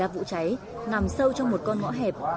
cái cửa cháy nằm sâu trong một con ngõ hẹp